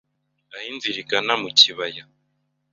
Aho inzira igana mu kibaya